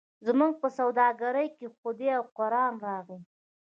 زموږ په سوداګرۍ کې خدای او قران راغی.